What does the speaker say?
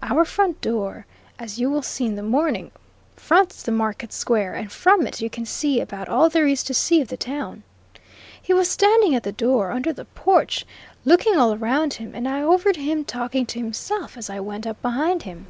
Our front door, as you will see in the morning, fronts the market square, and from it you can see about all there is to see of the town. He was standing at the door, under the porch, looking all round him, and I overheard him talking to himself as I went up behind him.